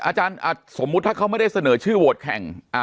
อาจารย์สมมุติถ้าเขาไม่ได้เสนอชื่อโหวตแข่ง